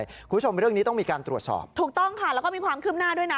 คุณผู้ชมเรื่องนี้ต้องมีการตรวจสอบถูกต้องค่ะแล้วก็มีความคืบหน้าด้วยนะ